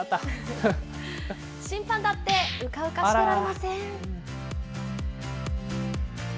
審判だってうかうかしてられません。